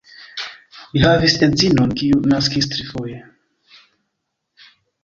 Li havis edzinon, kiu naskis trifoje.